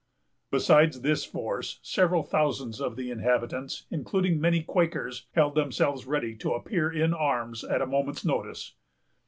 Besides this force, several thousands of the inhabitants, including many Quakers, held themselves ready to appear in arms at a moment's notice.